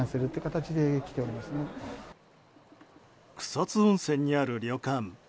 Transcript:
草津温泉にある旅館。